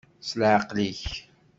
S leɛqel-ik.